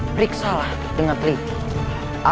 periksalah dengan terima